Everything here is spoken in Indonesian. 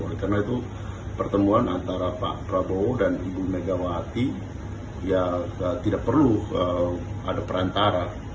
oleh karena itu pertemuan antara pak prabowo dan ibu megawati ya tidak perlu ada perantara